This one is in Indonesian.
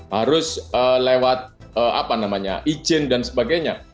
harus lewat izin dan sebagainya